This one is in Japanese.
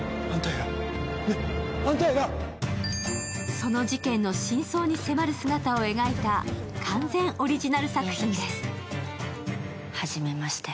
その事件の真相に迫る姿を描いた完全オリジナル作品です。